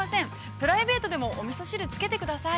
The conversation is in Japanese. プライベートでも、おみそ汁、つけてください。